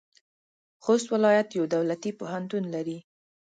خوست ولایت یو دولتي پوهنتون لري.